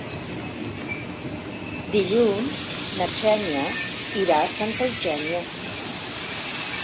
Dilluns na Xènia irà a Santa Eugènia.